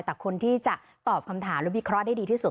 แต่คนที่จะตอบคำถามหรือวิเคราะห์ได้ดีที่สุด